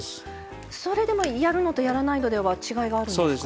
それでもやるのとやらないのでは違いがあるんですか？